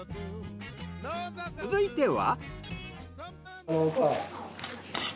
続いては。